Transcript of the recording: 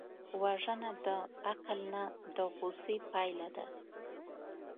وژنه د عقل نه، د غصې پایله ده